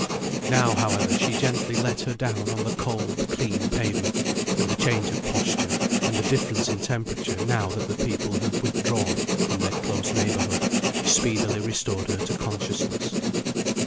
Now, however, she gently let her down on the cold clean pavement; and the change of posture, and the difference in temperature, now that the people had withdrawn from their close neighbourhood, speedily restored her to consciousness.